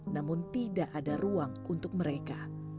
namun tidak ada ruang untuk mereka